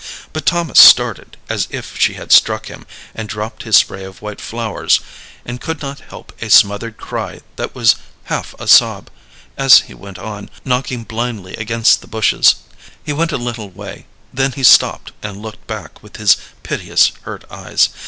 But Thomas started as if she had struck him, and dropped his spray of white flowers, and could not help a smothered cry that was half a sob, as he went on, knocking blindly against the bushes. He went a little way, then he stopped and looked back with his piteous hurt eyes.